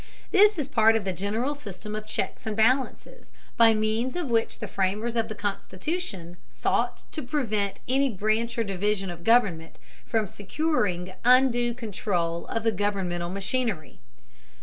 This is part of the general system of "checks and balances" by means of which the framers of the Constitution sought to prevent any branch or division of government from securing undue control of the governmental machinery.